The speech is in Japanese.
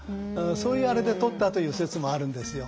そういうあれでとったという説もあるんですよ。